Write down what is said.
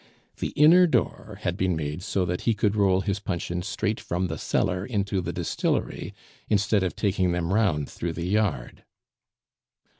The inner door had been made so that he could roll his puncheons straight from the cellar into the distillery, instead of taking them round through the yard.